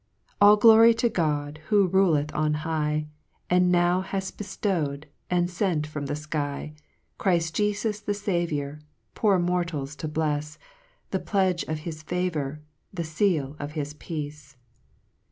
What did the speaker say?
2 All glory to God, Who ruleth on high, And now hath beftow'd, And fentfrom the fky, Chrift Jefus the Saviour, Poor mortals to blels ; The pledge of his favour, The leal of his peace.